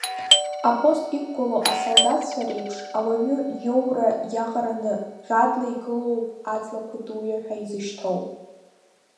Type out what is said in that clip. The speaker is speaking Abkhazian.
Апост иқәгылоу асолдаҭцәа реиԥш, ауаҩы иоура иаҟараны радла игылоуп аҵлақәа туиа ҳәа изышьҭоу.